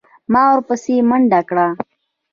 ما ورپسې منډه کړه.